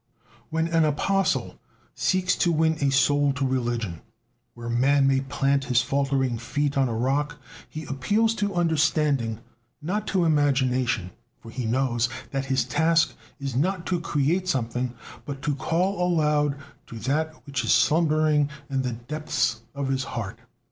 When an apostle seeks to win a soul to religion, where man may plant his faltering feet on a rock, he appeals to understanding, not to imagination, for he knows that his task is not to create something, but to call aloud to that which is slumbering in the depths of the heart.